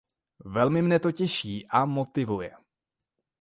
Velmi mne to těší a motivuje.